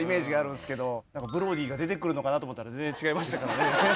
ブロディが出てくるのかなと思ったら全然違いましたからね。